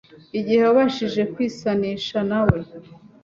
igihe wabashije kwisanisha nawe